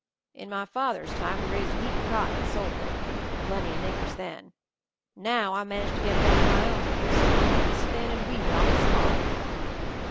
"In my father's time we raised a heap of cotton and sold it. Plenty of niggers then. Now I manage to get enough for my own use, and we spin and weave it on the spot